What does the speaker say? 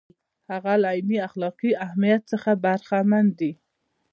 هغه له عیني اخلاقي اهمیت څخه برخمن دی.